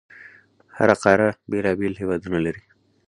هره قاره بېلابېل هیوادونه لري.